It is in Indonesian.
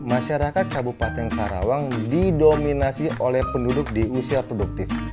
masyarakat kabupaten karawang didominasi oleh penduduk di usia produktif